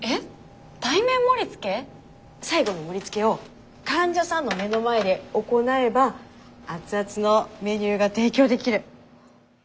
最後の盛り付けを患者さんの目の前で行えば熱々のメニューが提供できる。